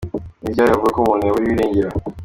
Ni ryari bavuga ko umuntu yaburiwe irengero ?